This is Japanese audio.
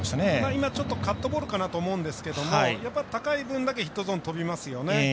今、カットボールかなと思うんですがやっぱり高い分だけヒットゾーン飛びますよね。